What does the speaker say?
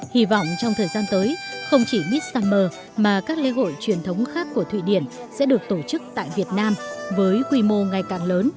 hy vọng trong thời gian tới không chỉ miss summer mà các lễ hội truyền thống khác của thụy điển sẽ được tổ chức tại việt nam với quy mô ngày càng lớn